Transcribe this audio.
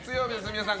皆さん